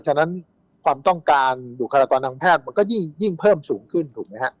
ฉะนั้นความต้องการบุคลากรทางแพทย์มันก็ยิ่งเพิ่มสูงขึ้นถูกไหมฮะ